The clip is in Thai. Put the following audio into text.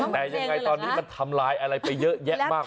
แต่ยังไงตอนนี้มันทำลายอะไรไปเยอะแยะมาก